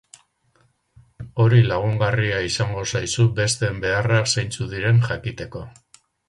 Hori lagungarria izango zaizu besteen beharrak zeintzuk diren jakiteko.